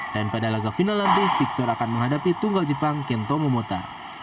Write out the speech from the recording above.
dan pada laga final nanti victor akan menghadapi tunggal jepang kento momota